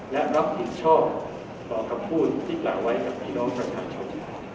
และรับผิดชอบต่อคำพูดที่กล่าวไว้กับพี่น้องประชาชน